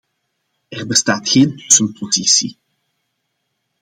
Er bestaat geen tussenpositie.